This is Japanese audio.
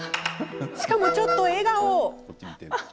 しかもちょっと笑顔。